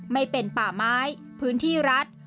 ไม่เป็นป่าไม้พื้นที่รัฐ